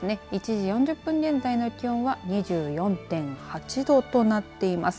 １時４０分現在の気温は２４．８度となっています。